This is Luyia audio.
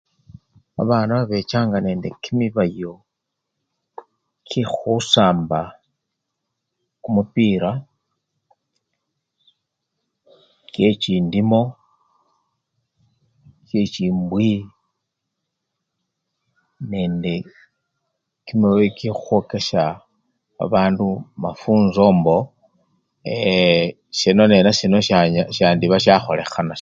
Babana babechanga nende kimibayo kyekhusamba kumupira, kyechindimo, kyechimbwi nende kimibayo kyekhukhwokesha babandu mafunzo mbo eeee! sino nenasino syani! syandiba syakholekhana.